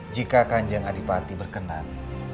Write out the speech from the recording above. jika kanjeng adipati berkenan